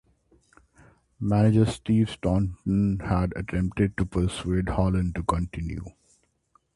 Manager Steve Staunton had attempted to persuade Holland to continue.